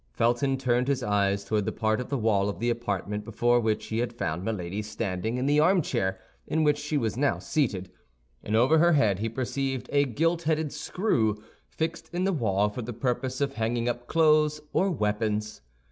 Felton turned his eyes toward the part of the wall of the apartment before which he had found Milady standing in the armchair in which she was now seated, and over her head he perceived a gilt headed screw, fixed in the wall for the purpose of hanging up clothes or weapons.